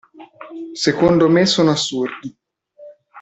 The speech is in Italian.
Secondo me sono assurdi.